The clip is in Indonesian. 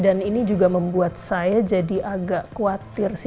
dan ini juga membuat saya jadi agak khawatir sih